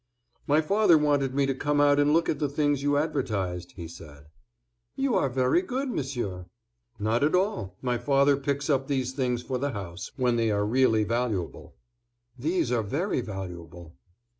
"My father wanted me to come out and look at the things you advertised," he said. "You are very good, Monsieur." "Not at all; my father picks up these things for the house, when they are really valuable." "These are very valuable."